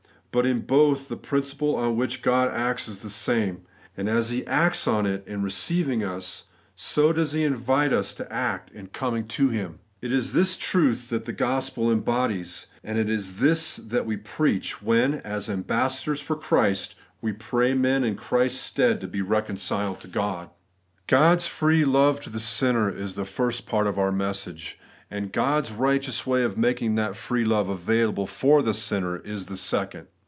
But in both, the principle on which God acts is the same. And as He acts on it in receiving us, so does He invite us to act in coming to Him. It is this truth that the gospel embodies ; and it is this that we preach, when, as ambassadors for Christ, we pray men in Christ's stead to be recon God^s Recognition of Substitution. 23 ciled to God. God's free love to the sinner is the first part of our message ; and God's righteous my of making that free love available for the sinner is the second.